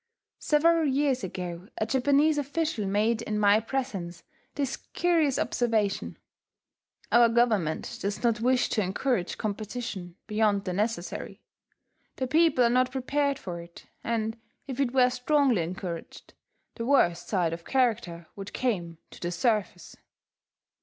Several years ago a Japanese official made in my presence this curious observation: "Our Government does not wish to encourage competition beyond the necessary. The people are not prepared for it; and if it were strongly encouraged, the worst side of character would came to the surface."